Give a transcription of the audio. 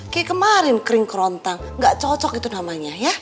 kayak kemarin kering kerontang gak cocok itu namanya ya